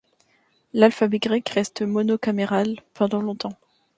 L'alphabet grec reste monocaméral pendant longtemps.